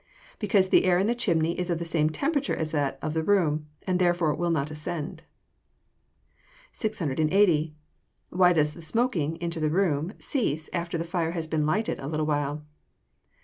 _ Because the air in the chimney is of the same temperature as that in the room, and therefore will not ascend. 680. _Why does the smoking (into the room) cease, after the fire has been lighted a little while?